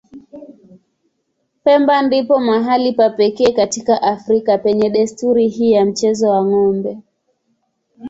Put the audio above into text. Pemba ndipo mahali pa pekee katika Afrika penye desturi hii ya mchezo wa ng'ombe.